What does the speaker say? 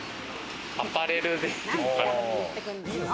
アパレルですかね。